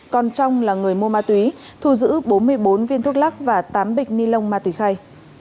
còn trong là người mua ma túy thu giữ bốn mươi bốn viên thuốc lắc và tám bịch ni lông ma túy khay